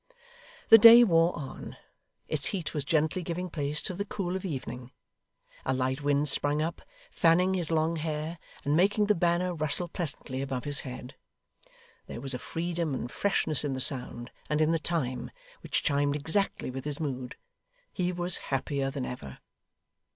The day wore on; its heat was gently giving place to the cool of evening; a light wind sprung up, fanning his long hair, and making the banner rustle pleasantly above his head. There was a freedom and freshness in the sound and in the time, which chimed exactly with his mood. He was happier than ever.